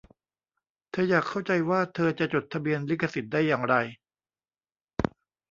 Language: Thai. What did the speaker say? เธออยากเข้าใจว่าเธอจะจดทะเบียนลิขสิทธิ์ได้อย่างไร